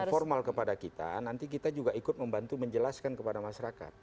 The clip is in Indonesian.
informal kepada kita nanti kita juga ikut membantu menjelaskan kepada masyarakat